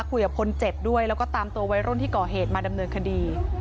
คุยกับคนเจ็บด้วยแล้วก็ตามตัววัยรุ่นที่ก่อเหตุมาดำเนินคดี